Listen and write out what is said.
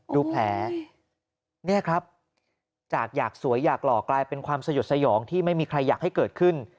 ดูแผลเนี่ยครับจากอยากสวยอยากหล่อกลายเป็นความสยดสยองที่ไม่มีใครอยากให้เกิดขึ้น